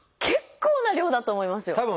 結構な量だと思いますよ。